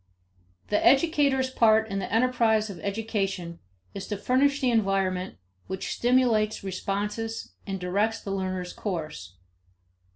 The educator's part in the enterprise of education is to furnish the environment which stimulates responses and directs the learner's course.